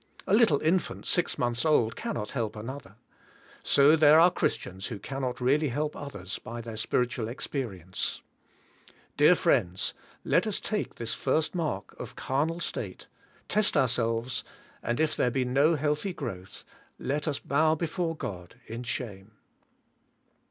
A little infant six months old cannot help another; so there are Christians who cannot really help others by their spiritual ex perience. Dear friends let us take this first mark of carnal state, test ourselves, and if there be no healthy growth let us bow before God in shame.